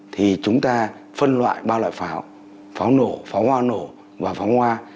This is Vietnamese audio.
thì chúng ta phân loại ba loại pháo pháo nổ pháo hoa nổ và pháo hoa